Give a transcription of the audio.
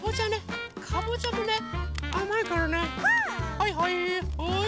はいはいはい。